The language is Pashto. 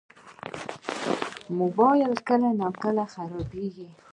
موبایل کله ناکله خرابېږي.